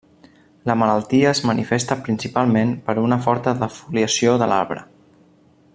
La malaltia es manifesta principalment per una forta defoliació de l'arbre.